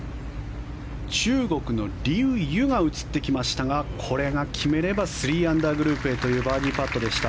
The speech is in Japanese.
中国のリウ・ユはこれを決めれば３アンダーグループへというバーディーパットでした。